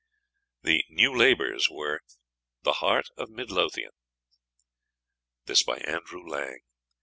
The "new labours" were "The Heart of Mid Lothian." ANDREW LANG.